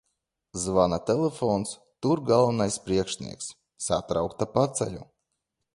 Zvana telefons, tur galvenais priekšnieks. Satraukta paceļu.